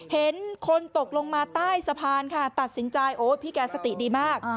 เห็นคนตกลงมาใต้สะพานค่ะตัดสินใจโอ้พี่แกสติดีมาก